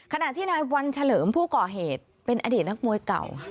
ขณะที่นายวันเฉลิมผู้ก่อเหตุเป็นอดีตนักมวยเก่า